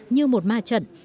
như một ma trận